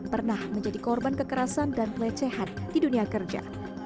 pernah menjadi korban kekerasan dan pelecehan di dunia kerja